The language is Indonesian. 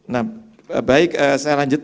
nah baik saya lanjut